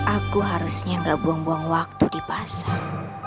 aku harusnya gak buang buang waktu di pasar